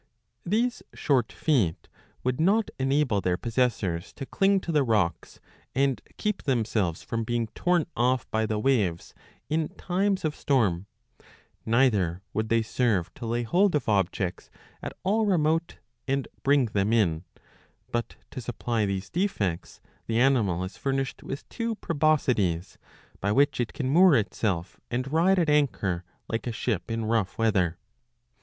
These short feet would not enable their possessors to cling to the rocks and keep themselves from being torn off by the waves in times of storm ; neither would they serve to lay hold of objects at all remote and bring them in ; but, to supply these defects, the animal is furnished with two ^' proboscides, by which it can moor itself and ride at anchor like a ship in rough weather.